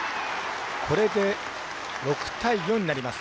これで６対４になります。